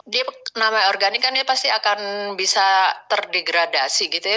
dia namanya organik kan dia pasti akan bisa terdegradasi gitu ya